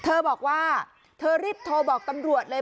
เธอบอกว่าเธอรีบโทรบอกตำรวจเลย